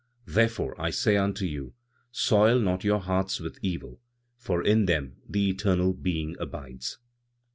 "Therefore, I say unto you, soil not your hearts with evil, for in them the eternal Being abides.